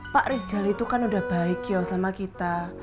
pak rijal itu kan udah baik ya sama kita